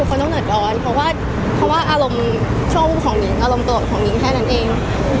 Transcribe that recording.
เพราะอารมณ์โชคของหนึ่งเท่านั้นเอง